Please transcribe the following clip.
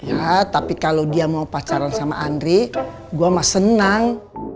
ya tapi kalo dia mau pacaran sama andre gue mah senang